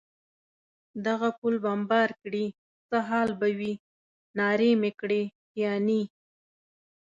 دغه پل بمبار کړي، څه حال به وي؟ نارې مې کړې: پیاني.